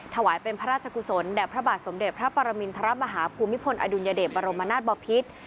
ถวายเป็นพระราชกุศลแด่พระบาทสมเด็จพระปรมินทรมาฮาภูมิพลอดุลยเดชบรมนาศบอพิษ